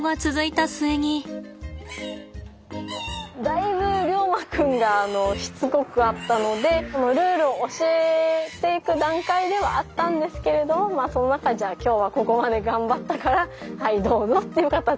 だいぶリョウマ君がしつこかったのでルールを教えていく段階ではあったんですけれどもその中でじゃあ今日はここまで頑張ったからはいどうぞっていう形で少しあげていました。